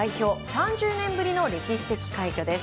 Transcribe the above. ３０年ぶりの歴史的快挙です。